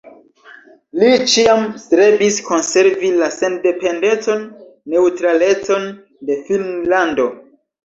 Li ĉiam strebis konservi la sendependecon, neŭtralecon de Finnlando.